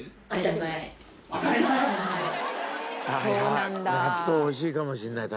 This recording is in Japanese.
そうなんだ。